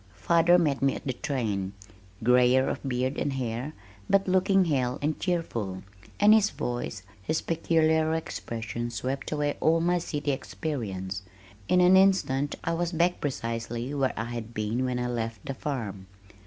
Father met me at the train, grayer of beard and hair, but looking hale and cheerful, and his voice, his peculiar expressions swept away all my city experience. In an instant I was back precisely where I had been when I left the farm.